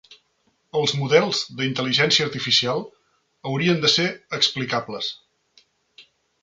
Els models de Intel·ligència Artificial hauran de ser explicables.